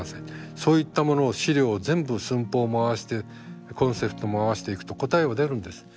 そういったものを資料を全部寸法も合わせてコンセプトも合わせていくと答えは出るんです。